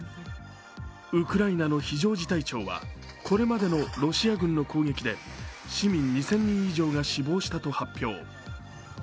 ウクライナの非常事態庁はこれまでのロシア軍の攻撃で市民２０００人以上が死亡したと発表。